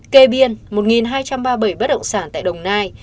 kê biên một hai trăm ba mươi bảy bất động sản tại đồng nai